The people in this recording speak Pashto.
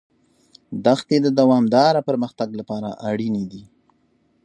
دښتې د دوامداره پرمختګ لپاره اړینې دي.